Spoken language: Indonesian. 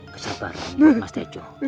kesabaran buat mas tejo